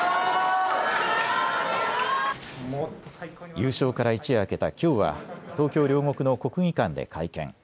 優勝から一夜明けたきょうは東京両国の国技館で会見。